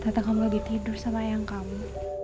tata kamu lagi tidur sama ayah kamu